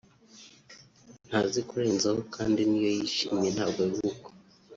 ntazi kurenzaho kandi n’iyo yishimye na bwo biba uko